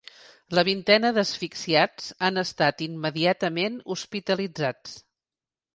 La vintena d’asfixiats han estat immediatament hospitalitzats.